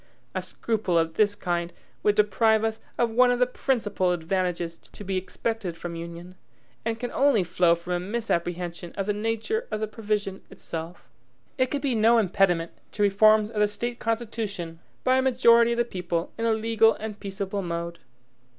A scruple of this kind would deprive us of one of the principal advantages to be expected from union, and can only flow from a misapprehension of the nature of the provision itself. It could be no impediment to reforms of the State constitution by a majority of the people in a legal and peaceable mode.